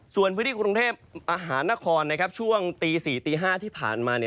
ส่วนพื้นที่กรุงเทพมหานครช่วงตี๔ตี๕ที่ผ่านมา